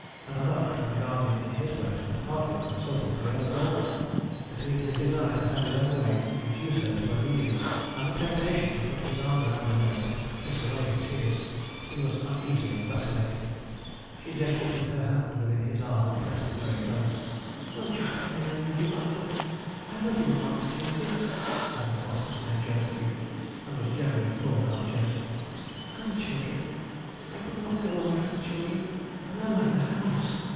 Another uncle and guardian in his place would hardly have consulted the girl at all. Between his desire to have his own way and reduce her to obedience, and the temptation to put his arm round her waist and kiss away her tears, he was uneasy and vacillating. She gently put her hand within his arm, and pressed it very close. 'Won't you let me remain with you, uncle? I love you and Aunt Josey' (Madame Voss was named Josephine, and was generally called Aunt Josey) 'and the children. I could not go away from the children. And I like the house.